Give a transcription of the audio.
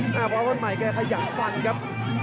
หน้าพระอาวุธใหม่แกใครอยากฟังครับ